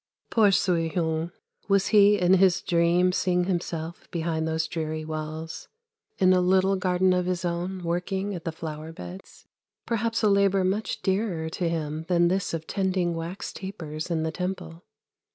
Poor Soui houng! was he in his dream seeing himself behind those dreary walls in a little garden of his own working at the flower beds? Perhaps a labour much dearer to him than this of tending wax tapers in the Temple.